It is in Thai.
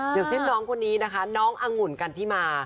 อย่างเช่นน้องคนนี้นะคะน้องอังุ่นกันที่มา